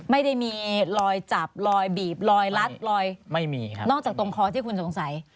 ไม่ได้มีรอยจับรอยบีบรอยรัดรอยไม่มีครับนอกจากตรงคอที่คุณสงสัย